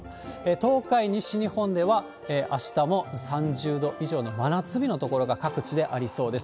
東海、西日本ではあしたも３０度以上の真夏日の所が各地でありそうです。